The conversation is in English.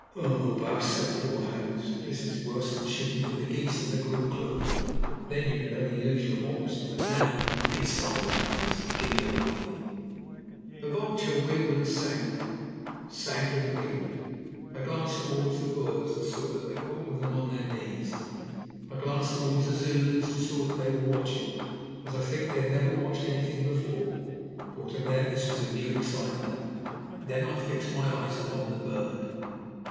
"Oh, baas," said poor Hans, "this is worse than shooting at the geese in the Groote Kloof. Then you could only lose your horse, but now—" "Be silent," I hissed, "and give me the rifle." The vulture wheeled and sank, sank and wheeled. I glanced towards the Boers, and saw that they were all of them on their knees. I glanced towards the Zulus, and saw that they were watching as, I think, they had never watched anything before, for to them this was a new excitement. Then I fixed my eyes upon the bird.